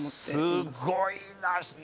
すごいな。